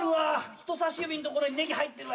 人さし指のとこネギ入ってるわ。